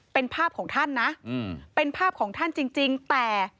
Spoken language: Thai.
เป็นภาพของท่านนะเป็นภาพของท่านจริงแต่